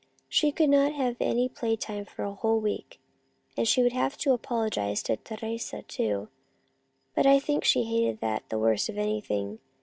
She could not have any playtime for a whole week, and she would have to apolo gize to Teresa, too, and I think she hated that the worst of anything.